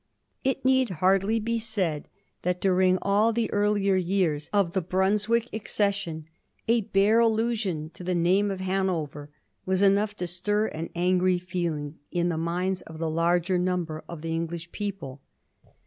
It need hardly be said that, Digiti zed by Google 1729 THE HESSIANS. 383 during all the earlier years of the Brunswick accession, a bare allusion to the name of Hanover was enough to stir an angry feeling in the minds of the larger niunber of the English people.